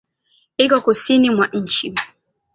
Iko Kusini mwa nchi.